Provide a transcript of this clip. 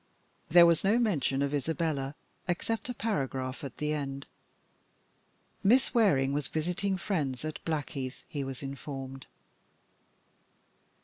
There was no mention of Isabella except a paragraph at the end. Miss Waring was visiting friends at Blackheath, he was informed.